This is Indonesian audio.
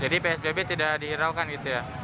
jadi psbb tidak dihiraukan gitu ya